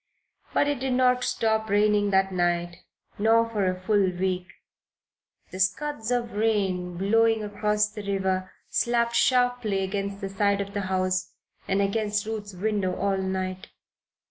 But it did not stop raining that night, nor for a full week. The scuds of rain, blowing across the river, slapped sharply against the side of the house, and against Ruth's window all night.